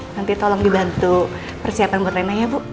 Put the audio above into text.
nanti tolong dibantu persiapan buat nenek ya bu